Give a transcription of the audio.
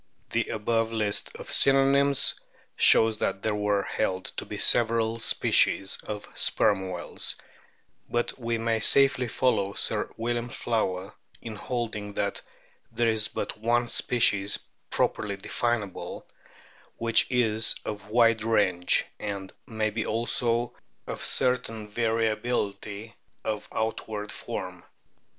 The above list of synonyms shows that there were held to be several species of Sperm whales. But * Systema Natur., I2th ed., i., p. 107. 2 co A BOOK OF WHALES we may safely follow Sir William Flower in holding that there is but one species properly definable, which is of wide range, and may be also of certain varia bility of outward form.